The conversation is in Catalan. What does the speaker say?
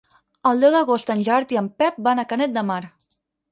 El deu d'agost en Gerard i en Pep van a Canet de Mar.